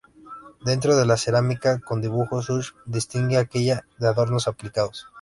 Dentro de la cerámica con dibujo, Such distingue aquella de adornos aplicados.